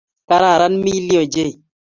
Kararan Millie ochei